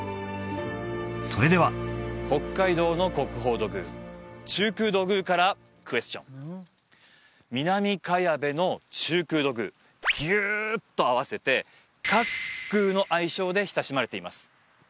それでは北海道の国宝土偶中空土偶からクエスチョン南茅部の中空土偶ギューッと合わせて「茅空」の愛称で親しまれています